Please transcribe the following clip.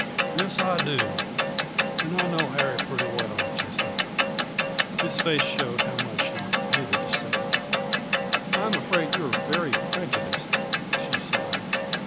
"Yes, I do; and I know Harry pretty well, Jessie." His face showed how much he hated to say it. "I'm afraid you are very prejudiced," she sighed.